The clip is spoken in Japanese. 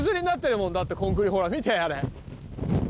だってコンクリほら見てあれ。